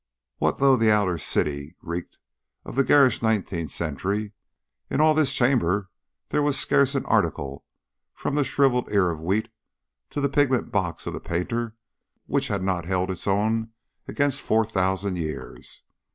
What though the outer city reeked of the garish nineteenth century! In all this chamber there was scarce an article, from the shrivelled ear of wheat to the pigment box of the painter, which had not held its own against four thousand years.